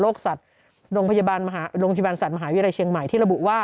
โรคสัตว์โรงพยาบาลมหาโรงพยาบาลศัตริย์มหาวิทยาลัยเชียงใหม่ที่ระบุว่า